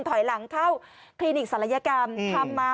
ถอยหลังเข้าคลินิกศัลยกรรมทำมา